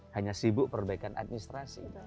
hanya sibuk perbaikan administrasi